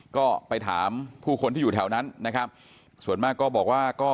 ก็ไปถามผู้คนที่อยู่แถวนั้นนะครับส่วนมากก็บอกว่าก็